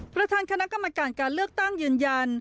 ประธานคณะกรรมการการเลือกตั้งยืนยัน